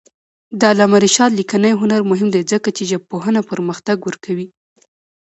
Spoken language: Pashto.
د علامه رشاد لیکنی هنر مهم دی ځکه چې ژبپوهنه پرمختګ ورکوي.